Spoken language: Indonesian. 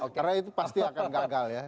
karena itu pasti akan gagal ya